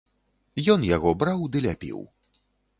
Ён яго браў ды ляпіў.